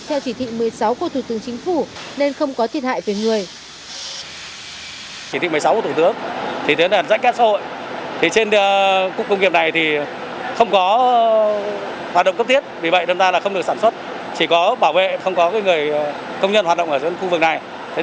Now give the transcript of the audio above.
theo chỉ thị một mươi sáu của thủ tướng chính phủ nên không có thiệt hại về người